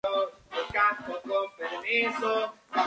Se encuentra en Marruecos, las Islas Canarias y Argelia.